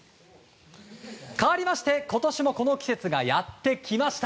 かわりまして、今年もこの季節がやってまいりました。